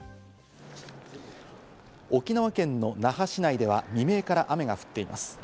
沖縄県の那覇市内では未明から雨が降っています。